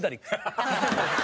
ハハハハ！